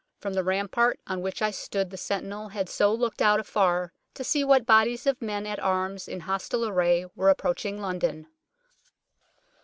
From the rampart on which I stood the sentinel had so looked out afar to see what bodies of men at arms in hostile array were approaching London.